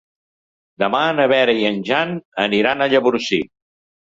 Demà na Vera i en Jan aniran a Llavorsí.